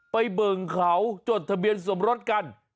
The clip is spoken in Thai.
เบิ่งเขาจดทะเบียนสมรสกัน